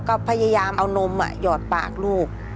ก็พยายามเอานมหยอดปากลูก